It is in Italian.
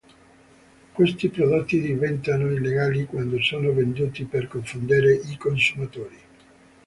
Questi prodotti diventano illegali quando sono venduti per confondere i consumatori.